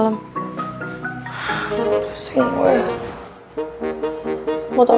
namanya juga berfunggie parlament ii